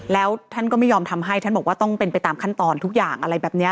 แล้วท่านก็ไม่ยอมทำให้ท่านบอกว่าต้องเป็นไปตามขั้นตอนทุกอย่างอะไรแบบนี้